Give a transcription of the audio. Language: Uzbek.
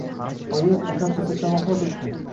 Oyi, otam to`satdan vafot etdi